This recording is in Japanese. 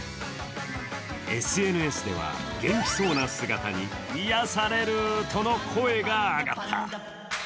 ＳＮＳでは元気そうな姿に癒されるとの声が上がった。